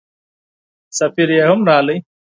سفیر هم راغی.